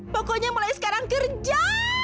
pokoknya mulai sekarang kerja